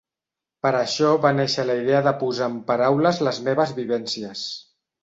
Per això va néixer la idea de posar en paraules les meves vivències.